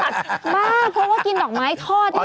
มากเพราะว่ากินดอกไม้ทอด